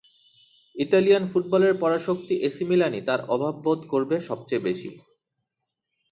Italian ফুটবলের পরাশক্তি AC মিলানই তাঁর অভাব বোধ করবে সবচেয়ে বেশি।